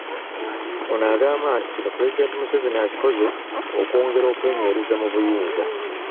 Ono agamba nti kino Pulezidenti Museveni akikozesa okwongera okwenywereza mu buyinza.